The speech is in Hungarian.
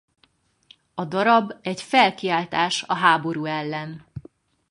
A darab egy felkiáltás a háború ellen.